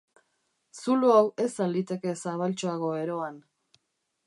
Zulo hau ez al liteke zabaltxoago eroan?